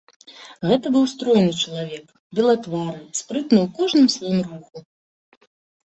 Гэта быў стройны чалавек, белатвары, спрытны ў кожным сваім руху.